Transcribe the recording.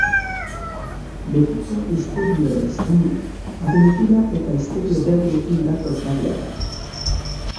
Betiko istorioez gain, abentura eta istorio berriekin datoz galiarrak.